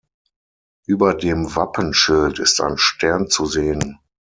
Über dem Wappenschild ist ein Stern zu sehen.